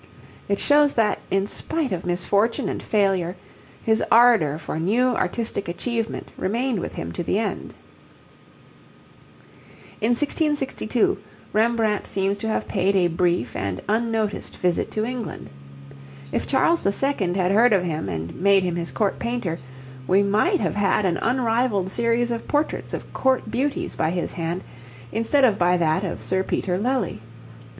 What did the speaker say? It shows that, in spite of misfortune and failure, his ardour for new artistic achievement remained with him to the end. In 1662 Rembrandt seems to have paid a brief and unnoticed visit to England. If Charles II. had heard of him and made him his court painter, we might have had an unrivalled series of portraits of court beauties by his hand instead of by that of Sir Peter Lely.